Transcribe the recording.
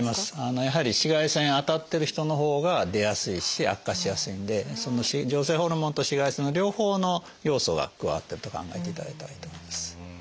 やはり紫外線当たってる人のほうが出やすいし悪化しやすいんで女性ホルモンと紫外線の両方の要素が加わってると考えていただいたらいいと思います。